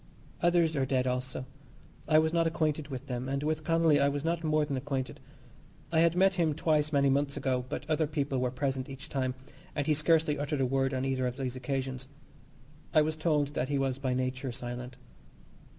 Others are dead also. I was not acquainted with them, and with Connolly I was not more than acquainted. I had met him twice many months ago, but other people were present each time, and he scarcely uttered a word on either of these occasions. I was told that he was by nature silent.